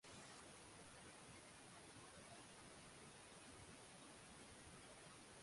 na pamoja na tunatambua